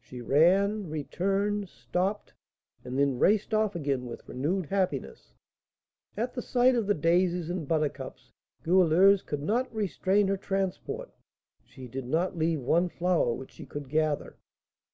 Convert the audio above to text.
She ran, returned, stopped, and then raced off again with renewed happiness. At the sight of the daisies and buttercups Goualeuse could not restrain her transport, she did not leave one flower which she could gather.